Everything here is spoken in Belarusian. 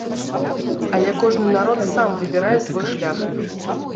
Але кожны народ сам выбірае свой шлях.